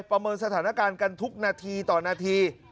ประเมินสถานการณ์กันทุกนาทีต่อนาที